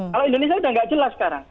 kalau indonesia sudah tidak jelas sekarang